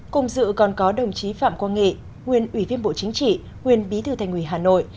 cùng dự còn có đồng chí phạm quang nghị nguyên ủy viên bộ chính trị nguyên bí thư thành ủy hà nội